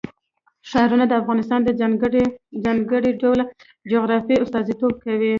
ښارونه د افغانستان د ځانګړي ډول جغرافیه استازیتوب کوي.